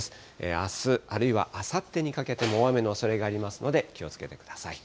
あす、あるいはあさってにかけても大雨のおそれがありますので、気をつけてください。